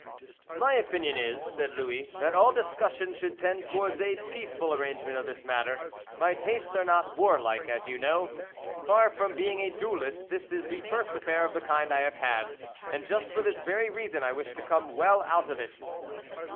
"My opinion is," said Louis, "that all discussion should tend towards a peaceable arrangement of this matter. My tastes are not warlike, as you know. Far from being a duellist, this is the first affair of the kind I have had, and just for this very reason I wish to come well out of it."